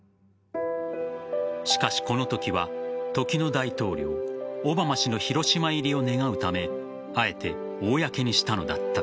しかし、このときは時の大統領・オバマ氏の広島入りを願うためあえて公にしたのだった。